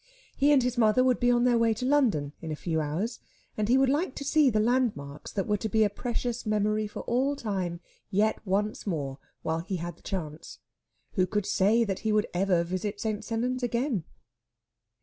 He and his mother would be on their way to London in a few hours, and he would like to see the landmarks that were to be a precious memory for all time yet once more while he had the chance. Who could say that he would ever visit St. Sennans again?